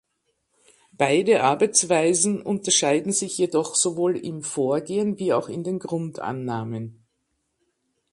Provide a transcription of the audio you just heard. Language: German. Beide Arbeitsweisen unterscheiden sich jedoch sowohl im Vorgehen wie auch in den Grundannahmen.